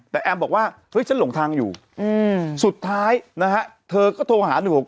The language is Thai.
แต่แอมบอกว่าเฮ้ยฉันหลงทางอยู่สุดท้ายนะฮะเธอก็โทรหา๑๖๖